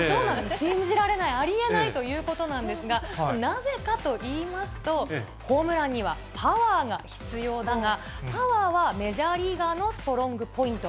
信じられない、ありえないということなんですが、なぜかといいますと、ホームランにはパワーが必要だが、パワーはメジャーリーガーのストロングポイント。